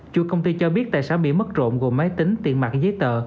chua công ty cho biết tài sản bị mất rộn gồm máy tính tiện mặt giấy tờ